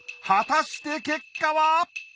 果たして結果は！？